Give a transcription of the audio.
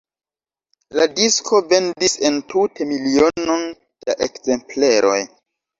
La disko vendis entute milionon da ekzempleroj.